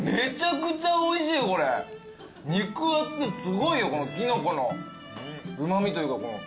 肉厚ですごいよこのキノコのうま味というか。